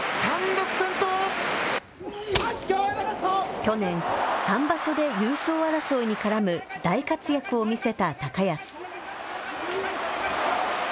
去年、３場所で優勝争いに絡む大活躍を見せた高安。